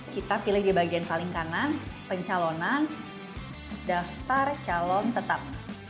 kita pilih di bagian paling kanan pencalonan daftar calon tetap